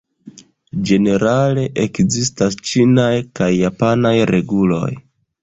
Ĝenerale ekzistas ĉinaj kaj japanaj reguloj.